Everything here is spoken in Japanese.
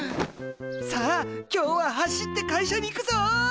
さあ今日は走って会社に行くぞ！